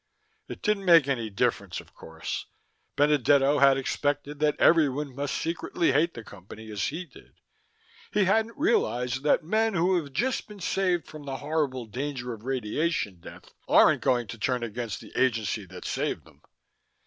It didn't make any difference, of course. Benedetto had expected that everyone must secretly hate the Company as he did; he hadn't realized that men who have just been saved from the horrible danger of radiation death aren't going to turn against the agency that saved them.